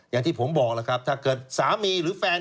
อย่างที่ผมบอกแล้วครับถ้าเกิดสามีหรือแฟน